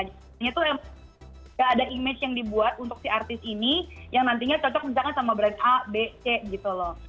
tuh emang gak ada image yang dibuat untuk si artis ini yang nantinya cocok misalkan sama brand a b c gitu loh